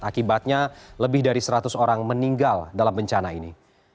akibatnya lebih dari seratus orang meninggal dalam bencana ini